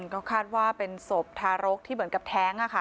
ก็คาดว่าเป็นสมธารกษ์ที่เหมือนกับแท้งน่ะค่ะ